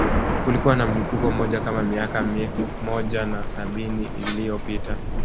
Kulikuwa na mlipuko mmoja kama miaka mia moja na sabini iliyopita